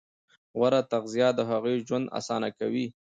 غوره تغذیه د هغوی ژوند اسانه کوي.